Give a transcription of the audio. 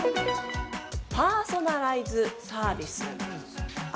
パーソナライズサービスです。